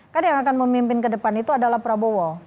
karena yang akan memimpin ke depan itu adalah prabowo